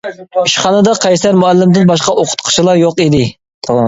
ئىشخانىدا قەيسەر مۇئەللىمدىن باشقا ئوقۇتقۇچىلار يوق ئىدى.